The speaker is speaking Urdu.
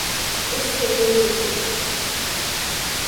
اس سے دل اٹھ گیا۔